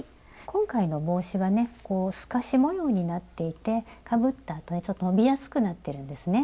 今回の帽子はねこう透かし模様になっていてかぶったあとにちょっと伸びやすくなってるんですね。